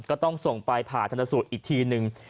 ก็ต้องส่งไปผ่านทันทุนอีกทีหนึ่ง